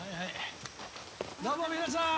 どうも皆さん！